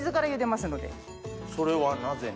それはなぜに？